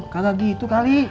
kagak gitu kali